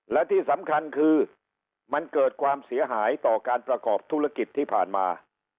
และที่สำคัญคือมันเกิดความเสียหายต่อการประกอบธุรกิจที่ผ่านมา